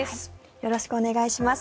よろしくお願いします。